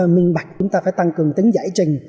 minh bạch chúng ta phải tăng cường tính giải trình